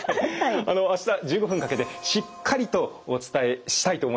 明日１５分かけてしっかりとお伝えしたいと思います。